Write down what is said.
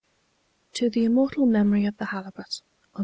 r To The Immortal Memory of the Halibut P.C.